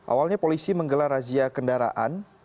awalnya polisi menggelar razia kendaraan